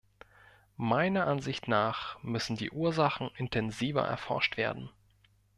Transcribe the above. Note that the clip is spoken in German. Meiner Ansicht nach müssen die Ursachen intensiver erforscht werden.